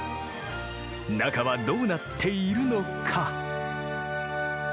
中はどうなっているのか？